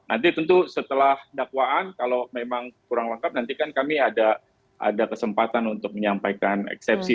nanti tentu setelah dakwaan kalau memang kurang lengkap nanti kan kami ada kesempatan untuk menyampaikan eksepsi